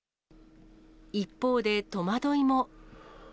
一方で戸惑いも。